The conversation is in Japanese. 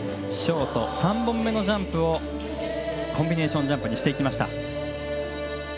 ショート３本目のジャンプをコンビネーションジャンプにしていきました。